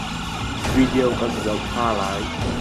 Video kan zoh hna lai.